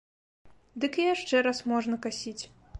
Дык і яшчэ раз можна касіць.